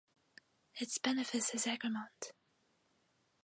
Its benefice is Egremont.